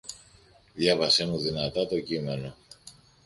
Διάβασέ μου δυνατά το κείμενο.